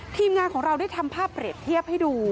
ทีมงานของเราได้ทำภาพเปรียบเทียบให้ดู